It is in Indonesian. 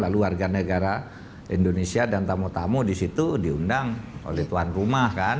lalu warga negara indonesia dan tamu tamu di situ diundang oleh tuan rumah kan